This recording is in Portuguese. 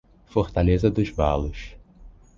Fortaleza dos Valos